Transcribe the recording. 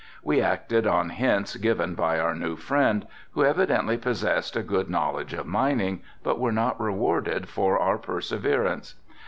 We acted on hints given by our new friend, who evidently possessed a good knowledge of mining, but were not rewarded for our perseverance.